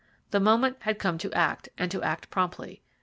The moment had come to act, and to act promptly.